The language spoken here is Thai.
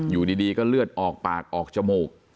อยู่ดีก็เลือดออกปากออกจมูก